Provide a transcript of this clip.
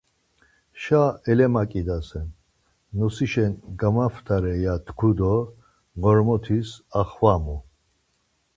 Şa elemaǩidasen, nosişen gamaptare ya tku do Ğormotis axvamu.